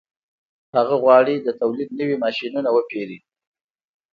هغه غواړي د تولید نوي ماشینونه وپېري